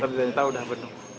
ternyata sudah penuh